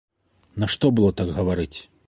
Нашто было так гаварыць?